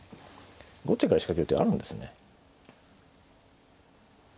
後手から仕掛ける手あるんですね。